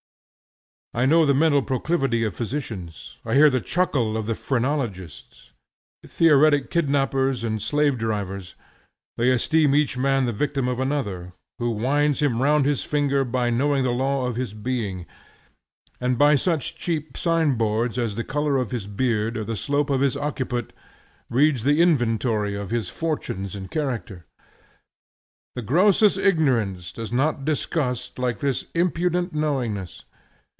I know the mental proclivity of physicians. I hear the chuckle of the phrenologists. Theoretic kidnappers and slave drivers, they esteem each man the victim of another, who winds him round his finger by knowing the law of his being; and by such cheap signboards as the color of his beard or the slope of his occiput, reads the inventory of his fortunes and character. The grossest ignorance does not disgust like this impudent knowingness.